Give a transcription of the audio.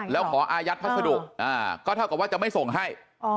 แล้วขออายัดพัสดุก็เท่ากับว่าจะไม่ส่งให้